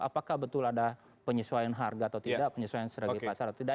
apakah betul ada penyesuaian harga atau tidak penyesuaian strategi pasar atau tidak